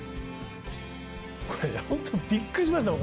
これ本当びっくりしましたもん。